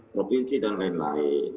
provinsi dan lain lain